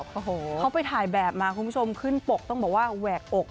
โอ้โหเขาไปถ่ายแบบมาคุณผู้ชมขึ้นปกต้องบอกว่าแหวกอก